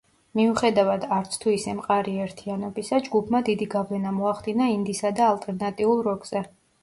მიუხედავად არც თუ ისე მყარი ერთიანობისა, ჯგუფმა დიდი გავლენა მოახდინა ინდისა და ალტერნატიულ როკზე.